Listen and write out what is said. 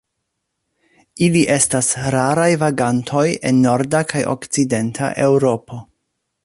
Ili estas raraj vagantoj en norda kaj okcidenta Eŭropo.